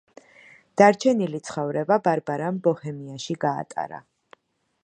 დარჩენილი ცხოვრება ბარბარამ ბოჰემიაში გაატარა.